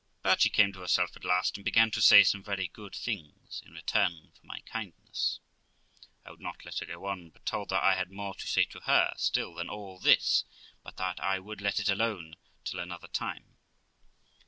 But she came to herself at last, and began to say some very good things in return for my kindness. I would not let her go on, but told her I had more to say to her still than all this, but that I would let it alone till another time.